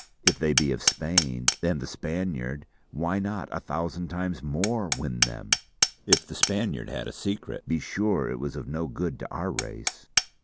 If they be of Spain and the Spaniard, why not, a thousand times more, win them. If the Spaniard had a secret, be sure it was of no good to our Race.